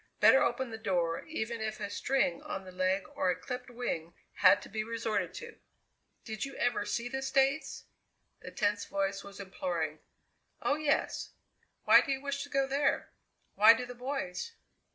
Better open the door even if a string on the leg or a clipped wing had to be resorted to! "Did you ever see the States?" The tense voice was imploring. "Oh, yes. Why do you wish to go there?" "Why do the boys?"